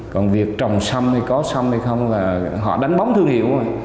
còn việc trồng xăm hay có xăm hay không là họ đánh bóng thương hiệu mà